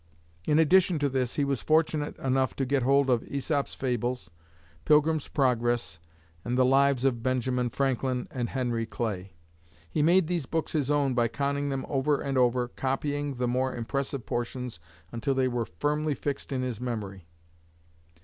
In addition to this, he was fortunate enough to get hold of Æsop's Fables, Pilgrim's Progress, and the lives of Benjamin Franklin and Henry Clay. He made these books his own by conning them over and over, copying the more impressive portions until they were firmly fixed in his memory.